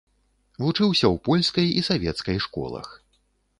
Вучыўся ў польскай і савецкай школах.